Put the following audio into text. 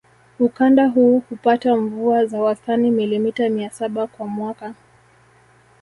Ukanda huu hupata mvua za wastani milimita mia saba kwa mwaka